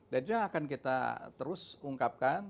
dan juga akan kita terus ungkapkan